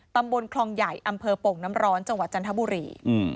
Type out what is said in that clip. ตำบลคลองใหญ่อำเภอโป่งน้ำร้อนจังหวัดจันทบุรี